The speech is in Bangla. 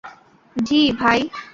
জ্বি, ভাই।